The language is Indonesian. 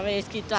iya gitu aja